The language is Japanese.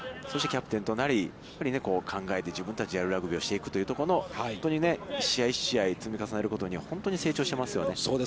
そしてキャプテンとなり、やっぱり考えて自分たちでやるラグビーをしていくということの本当に１試合１試合積み重ねるごとに本当に成長していますよね。